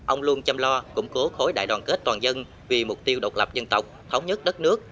ông luôn chăm lo củng cố khối đại đoàn kết toàn dân vì mục tiêu độc lập dân tộc thống nhất đất nước